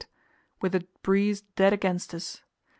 with a breeze dead against us.